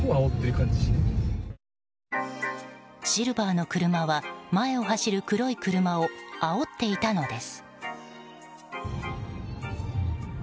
シルバーの車は前を走る黒い車をあおっていたのです。